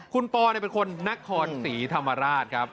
คุณปอเป็นคนนครศรีธรรมราชครับ